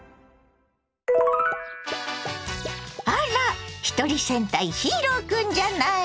あらひとり戦隊ヒーロー君じゃない。